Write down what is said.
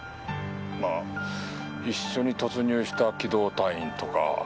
まあ一緒に突入した機動隊員とか。